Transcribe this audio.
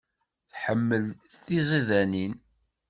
Tḥemmel tiẓidanin.